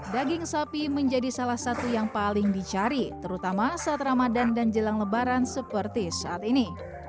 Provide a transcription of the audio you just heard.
daging sapi menjadi salah satu yang paling dicari terutama saat ramadan dan jelang lebaran seperti saat ini